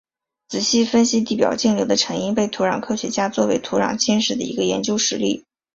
仔细分析地表径流的成因被土壤科学家作为土壤侵蚀的一个研究实例。